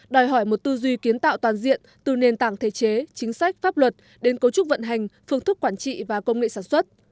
đòi hỏi một tư duy kiến tạo toàn diện từ nền tảng thể chế chính sách pháp luật đến cấu trúc vận hành phương thức quản trị và công nghệ sản xuất